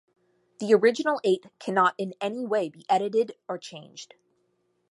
The original eight cannot in any way be edited or changed.